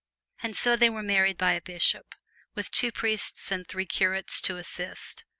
And so they were married by a bishop, with two priests and three curates to assist.